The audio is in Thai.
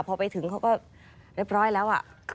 พอไปถึงเขาก็เรียบร้อยแล้ว